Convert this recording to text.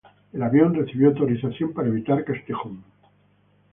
El avión recibió autorización para evitar Castejón.